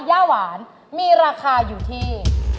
ย่าหวานมีราคาอยู่ที่